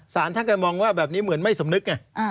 ศาลถ้าเกิดมองว่าแบบนี้เหมือนไม่สมนึก